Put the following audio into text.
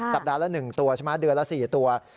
สัปดาห์ละ๑ตัวใช่ไหมเดือนละ๔ตัว